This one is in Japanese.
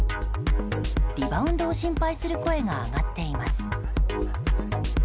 リバウンドを心配する声が上がっています。